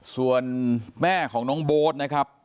ส่วนแม่ของน้องโบ๊ทนะครับ